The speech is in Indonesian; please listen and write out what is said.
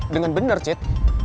dengan bener cit